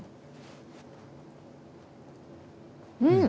うん！